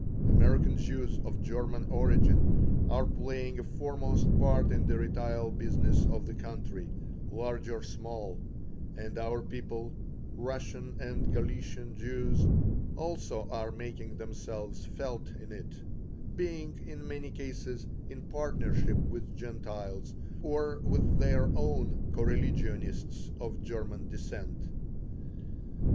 American Jews of German origin are playing a foremost part in the retail business of the country, large or small, and our people, Russian and Galician Jews, also are making themselves felt in it, being, in many cases, in partnership with Gentiles or with their own coreligionists of German descent.